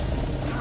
あ？